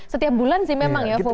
setiap bulan sih memang ya